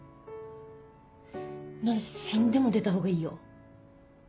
なら死んでも出た方がいいよ。